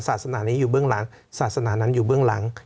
ศาสนานี้อยู่เบื้องหลังศาสนานั้นอยู่เบื้องหลัง